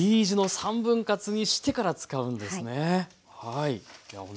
Ｔ字の３分割にしてから使うんですね。